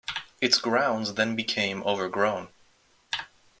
Its grounds then became overgrown.